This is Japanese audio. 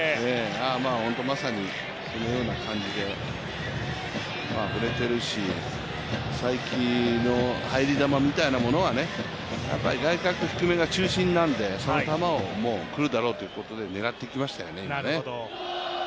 ホントまさにそのような感じで振れてるし、才木の入り球みたいなものは外角低めが中心なのでその球が来るだろうと狙ってきましたよね。